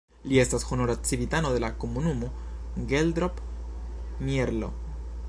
Li estas honora civitano de la komunumo Geldrop-Mierlo.